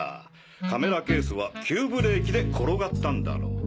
カメラケースは急ブレーキで転がったんだろう。